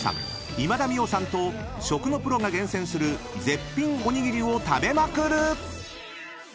今田美桜さんと食のプロが厳選する絶品おにぎりを食べまくる！］